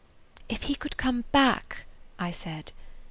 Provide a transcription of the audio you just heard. "If he could come back!" I said.